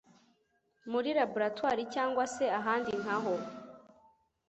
muri raboratoire cyangwa se ahandi nkaho